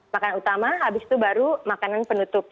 makanan utama habis itu baru makanan penutup